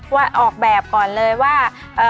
ว่าออกแบบก่อนเลยว่า